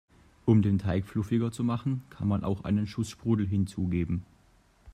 Um den Teig fluffiger zu machen, kann man auch einen Schuss Sprudel hinzugeben.